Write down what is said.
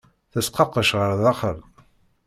Tesqaqec ɣer daxel.